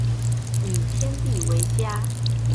以天地为家